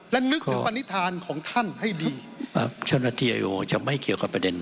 และนึกถึงปณิธานของท่านให้ดี